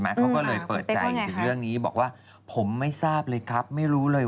แล้วเขาอาจจะเป็นแบบไม่วางด้วย